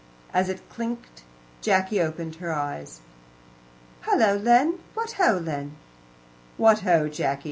As it clinked Jacky opened her eyes. "Hullo, Len! What ho, Len!" "What ho, Jacky!